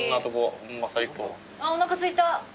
おなかすいた。